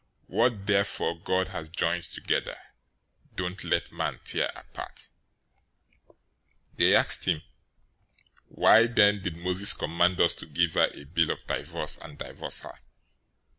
What therefore God has joined together, don't let man tear apart." 019:007 They asked him, "Why then did Moses command us to give her a bill of divorce, and divorce her?"